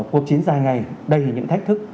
cuộc chiến dài ngày đầy những thách thức